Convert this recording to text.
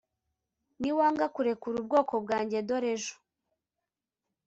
Niwanga kurekura ubwoko bwanjye dore ejo